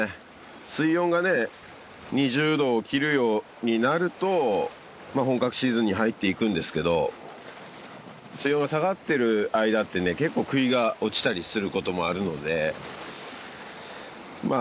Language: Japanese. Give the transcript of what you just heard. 水温がね２０度を切るようになるとまあ本格シーズンに入っていくんですけど水温が下がってる間ってね結構食いが落ちたりすることもあるのでまあ